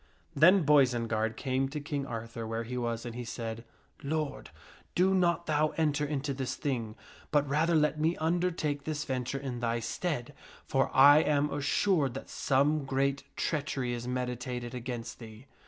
Then Boisenard came to King Arthur where he was, and he said, " Lord, do not thou enter into this thing, but rather let me undertake this venture in thy stead, for I am assured that some great treachery is meditated against thee."